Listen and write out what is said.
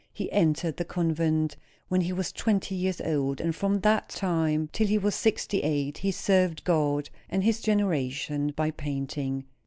He entered the convent when he was twenty years old; and from that time, till he was sixty eight, he served God and his generation by painting."